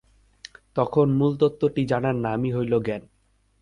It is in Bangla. তখন মূল তত্ত্বটি জানার নামই হইল জ্ঞান।